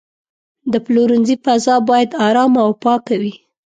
د پلورنځي فضا باید آرامه او پاکه وي.